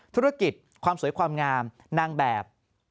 ธุรกิจความสวยความงามนางแบบ